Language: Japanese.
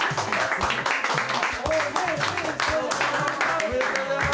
おめでとうございます。